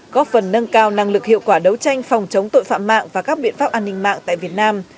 góp phần nâng cao năng lực hiệu quả đấu tranh phòng chống tội phạm mạng và các biện pháp an ninh mạng tại việt nam